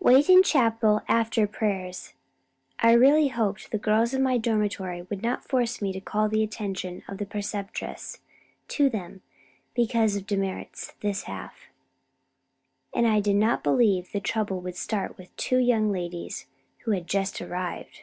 "Wait in chapel after prayers. I really hoped the girls of my dormitory would not force me to call the attention of the Preceptress to them because of demerits this half and I did not believe the trouble would start with two young ladies who had just arrived."